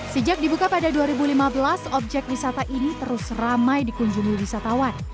sejak dibuka pada dua ribu lima belas objek wisata ini terus ramai dikunjungi wisatawan